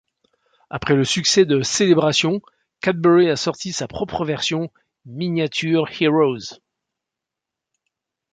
Après le succès de Celebrations, Cadbury a sorti sa propre version, Miniature Heroes.